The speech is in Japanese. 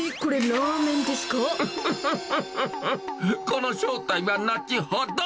この正体は後ほど。